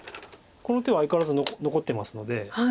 この手は相変わらず残ってますので。